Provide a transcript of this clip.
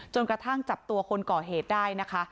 กระทั่งจับตัวคนก่อเหตุได้นะคะ